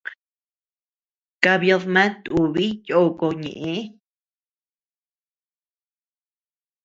Kabiodma tubi yoko ñeʼe.